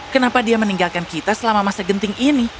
kenapa dia meninggalkan kita selama masa genting ini